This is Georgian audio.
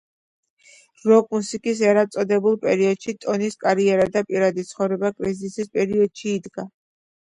როკ მუსიკის ერად წოდებულ პერიოდში ტონის კარიერა და პირადი ცხოვრება კრიზისის პერიოდში იდგა.